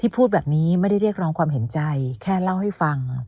พูดแบบนี้ไม่ได้เรียกร้องความเห็นใจแค่เล่าให้ฟัง